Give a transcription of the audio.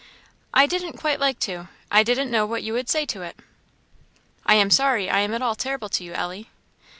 "I didn't quite like to; I didn't know what you would say to it." "I am sorry I am at all terrible to you, Ellie."